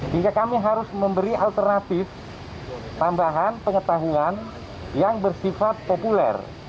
hingga kami harus memberi alternatif tambahan pengetahuan yang bersifat populer